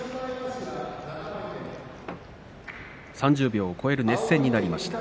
３０秒を超える熱戦になりました。